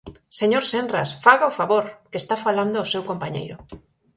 Señor Senras, ¡faga o favor!, que está falando o seu compañeiro.